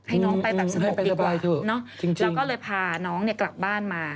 ให้น้องไปแบบสงบเรียบร้อยแล้วก็เลยพาน้องเนี่ยกลับบ้านมา